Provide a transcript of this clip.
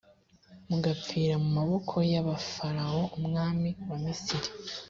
mugapfira mu maboko ya farawo umwami wa misiri,